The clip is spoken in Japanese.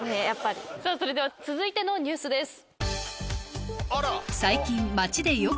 さぁそれでは続いてのニュースです。